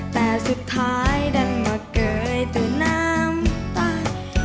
แต่สุดท้ายดันมาเกยแต่น้ำตาย